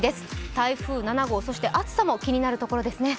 台風７号、そして暑さも気になるところですね。